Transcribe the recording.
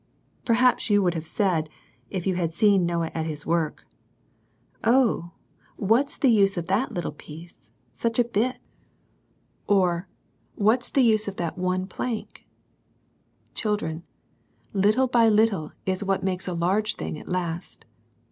Perhaps you would have said, if you had seen Noah at his work, " Oh, wAdt's the use of that little pi^et^ ^>adcL z. bit ?" LITTLE THINGS. 99 or " What's the use of that one plank ?" Chil dren, lUtle by little is that which makes a large thing at last.